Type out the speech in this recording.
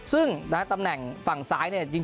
ซึ่งตำแหน่งฝั่งซ้ายเนี่ย